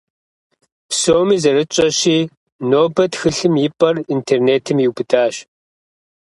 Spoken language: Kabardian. Псоми зэрытщӀэщи, нобэ тхылъым и пӀэр интернетым иубыдащ.